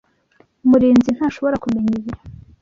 Murinzi ntashobora kumenya ibi.